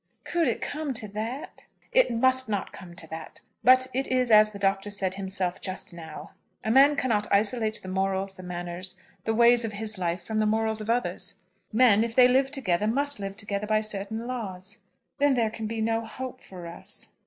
"Could it come to that?" "It must not come to that. But it is as the Doctor said himself just now; a man cannot isolate the morals, the manners, the ways of his life from the morals of others. Men, if they live together, must live together by certain laws." "Then there can be no hope for us."